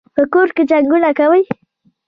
په کور کي جنګونه کوي.